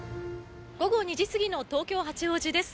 午後２時過ぎの東京・八王子です。